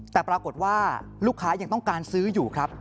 แต่ปรากฏว่าลูกค้ายังต้องการซื้ออยู่ครับ